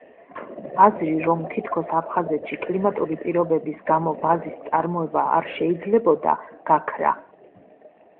აზრი, რომ თითქოს აფხაზეთში კლიმატური პირობების გამო ვაზის წარმოება არ შეიძლებოდა, გაქრა.